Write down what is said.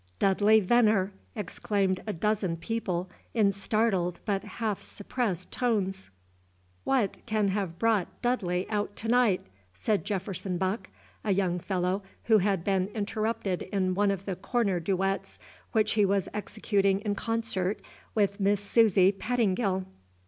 "Dudley Venner," exclaimed a dozen people, in startled, but half suppressed tones. "What can have brought Dudley out to night?" said Jefferson Buck, a young fellow, who had been interrupted in one of the corner duets which he was executing in concert with Miss Susy Pettingill.